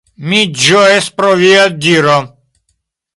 Mi ĝojas pro via diro.